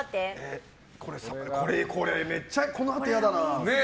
これめっちゃこのあと嫌だな。